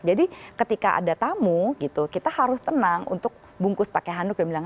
jadi ketika ada tamu kita harus tenang untuk bungkus pakai handuk dan bilang